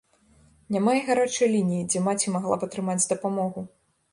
Няма і гарачай лініі, дзе маці магла б атрымаць дапамогу.